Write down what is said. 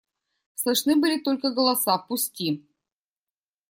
Слышны были только голоса: – Пусти!